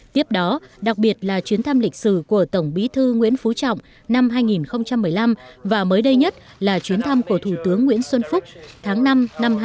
tiếp đó đặc biệt là chuyến thăm lịch sử của tổng bí thư nguyễn phú trọng năm hai nghìn một mươi năm và mới đây nhất là chuyến thăm của thủ tướng nguyễn xuân phúc tháng năm năm hai nghìn một mươi tám